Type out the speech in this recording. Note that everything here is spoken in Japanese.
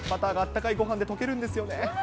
あったかいごはんで溶けるんですよねえ。